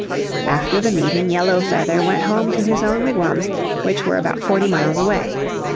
After the meeting Yellow Feather went home to his own wigwams, which were about forty miles away.